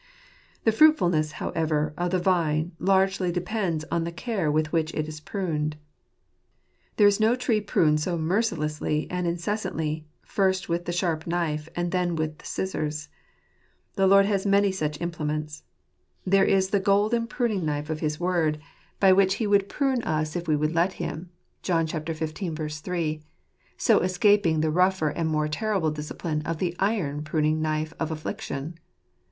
The fruitfulness , however , of the vine largely depends on the care with which it is pruned. There is no tree pruned so mercilessly and incessantly, first with the sharp knife, and then with scissors. The Lord has many such implements. There is the golden pruning knife of his Word, by which *57 fruiting tire ffttre. He would prune us if we would let Him (John xv. 3), so escaping the rougher and more terrible discipline of the iron pruning knife of affliction.